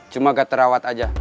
cuma gak terawat aja